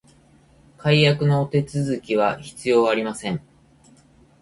解約のお手続きは必要ありません